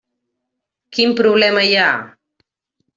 Quin problema hi ha?